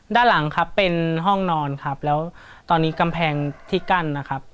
ด้านหลังครับเป็นห้องนอนครับแล้วตอนนี้กำแพงที่กั้นนะครับ